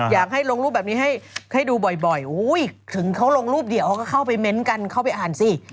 อยากให้ลงรูปแบบนี้ให้ดูบ่อยถึงเขาลงรูปเดียวเขาก็เข้าไปเม้นต์กันเข้าไปอ่านสิ